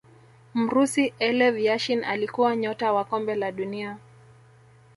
mrusi elev Yashin Alikuwa nyota wa kombe la dunia